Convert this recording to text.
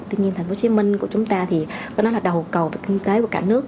tuy nhiên thành phố hồ chí minh của chúng ta thì phải nói là đầu cầu về kinh tế của cả nước